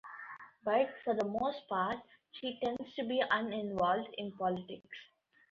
But, for the most part, she tends to be uninvolved in politics.